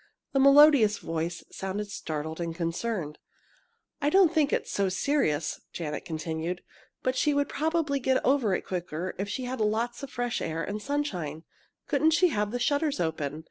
The melodious voice sounded startled and concerned. "I don't think it's so serious," Janet continued, "but she'd probably get over it quicker if she had a lot of fresh air and sunshine. Couldn't she have the shutters open?